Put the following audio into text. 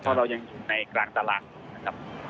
เพราะเรายังอยู่ในกลางตารางอยู่นะครับ